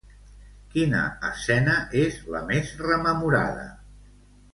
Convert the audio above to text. Quina escena és la més rememorada?